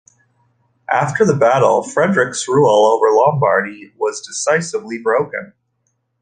After the battle, Frederick's rule over Lombardy was decisively broken.